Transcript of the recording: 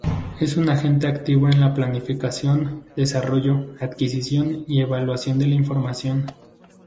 Es un agente activo en la planificación, desarrollo, adquisición y evaluación de la información.